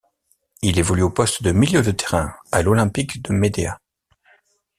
Il évolue au poste de milieu de terrain à l'Olympique de Médéa.